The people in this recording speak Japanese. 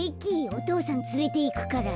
お父さんつれていくから。